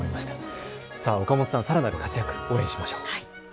岡本さんのさらなる活躍を応援しましょう。